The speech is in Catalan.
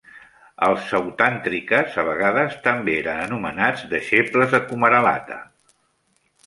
Els Sautantrikas a vegades també eren anomenats "deixebles de Kumaralata".